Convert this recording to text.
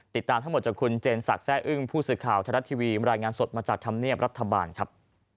ติดตามทั้งหมดจากคุณเจนสักแร่อึ้งผู้สื่อข่าวไทยรัฐทีวีรายงานสดมาจากธรรมเนียบรัฐบาลครับ